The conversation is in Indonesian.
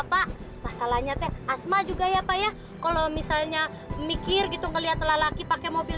pak masalahnya teh asma juga ya pak ya kalau misalnya mikir gitu ngeliat lelaki pakai mobil